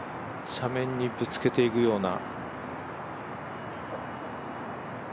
斜面にぶつけていくような。